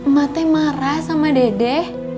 mate marah sama dede